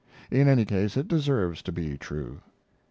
In any case it deserves to be true.